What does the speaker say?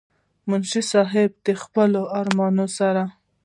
منشي صېب د خپلو ارمانونو سره